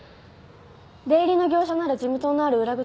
出入りの業者なら事務棟のある裏口に回る。